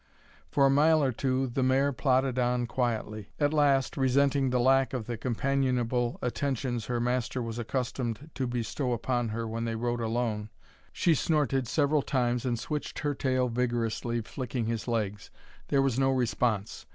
For a mile or two the mare plodded on quietly. At last, resenting the lack of the companionable attentions her master was accustomed to bestow upon her when they rode alone, she snorted several times and switched her tail vigorously, flicking his legs. There was no response.